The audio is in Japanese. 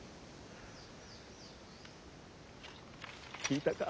聞いたか。